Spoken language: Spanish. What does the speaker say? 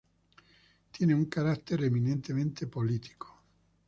Tiene un carácter eminentemente político.